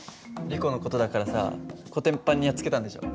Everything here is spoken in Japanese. リコの事だからさこてんぱんにやっつけたんでしょ。